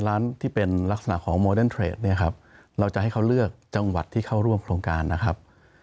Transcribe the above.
เราจะให้เขาเลือกจังหวัดที่เข้าร่วมโครงการนะครับ